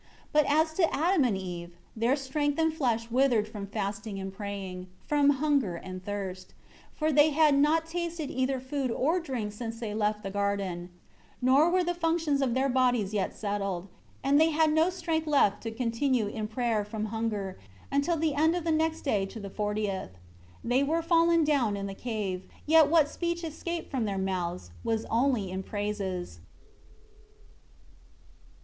11 But as to Adam and Eve, their strength and flesh withered from fasting and praying, from hunger and thirst; for they had not tasted either food or drink since they left the garden; nor were the functions of their bodies yet settled; and they had no strength left to continue in prayer from hunger, until the end of the next day to the fortieth. They were fallen down in the cave; yet what speech escaped from their mouths, was only in praises.